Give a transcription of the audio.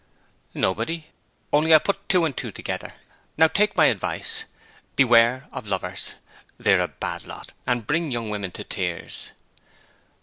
'Nobody. Only I put two and two together. Now take my advice. Beware of lovers! They are a bad lot, and bring young women to tears.'